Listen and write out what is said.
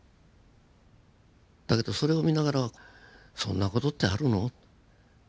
だけどそれを見ながらそんな事ってあるの？